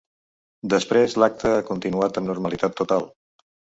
Després l’acte ha continuat amb normalitat total.